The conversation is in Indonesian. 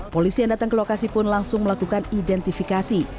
polisi yang datang ke lokasi pun langsung melakukan identifikasi